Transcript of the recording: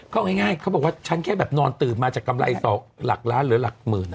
เอาง่ายเขาบอกว่าฉันแค่แบบนอนตื่นมาจากกำไรหลักล้านหรือหลักหมื่น